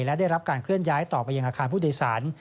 และได้รับการเคลื่อนย้ายต่อไปยังอาคารผู้โดยสาร